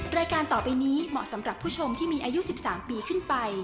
รายการต่อไปนี้เหมาะสำหรับผู้ชมที่มีอายุ๑๓ปีขึ้นไป